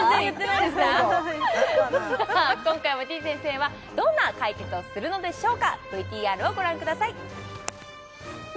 この子さあ今回もてぃ先生はどんな解決をするのでしょうかＶＴＲをご覧ください